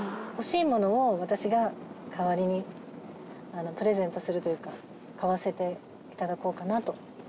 欲しいものを私が代わりにプレゼントするというか買わせていただこうかなと。